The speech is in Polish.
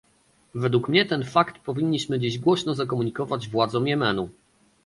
Według mnie ten fakt powinniśmy dziś głośno zakomunikować władzom Jemenu